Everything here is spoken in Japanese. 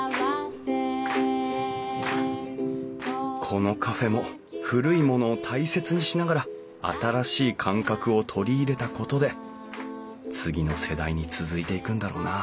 このカフェも古いものを大切にしながら新しい感覚を取り入れたことで次の世代に続いていくんだろうな